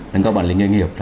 nâng cao bản lĩnh nghề nghiệp